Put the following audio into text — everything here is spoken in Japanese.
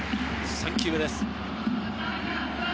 ３球目です。